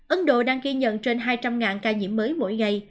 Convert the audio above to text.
ấn độ đang ghi nhận trên hai trăm linh ca nhiễm mới mỗi ngày